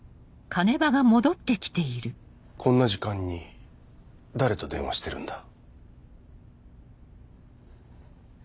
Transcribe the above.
こんな時間に誰と電話してるんだ？